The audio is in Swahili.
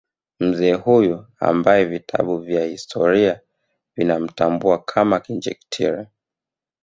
Mzee huyu ambaye vitabu vya historia vinamtambua kama Kinjekitile